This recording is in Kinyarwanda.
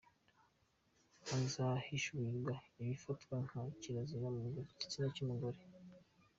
Hazahishurirwa ibifatwa nka kirazira ku gitsina cy’umugore.